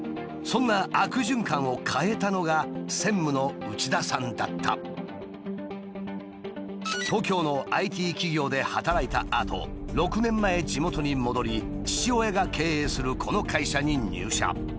そんな悪循環を変えたのが東京のＩＴ企業で働いたあと６年前地元に戻り父親が経営するこの会社に入社。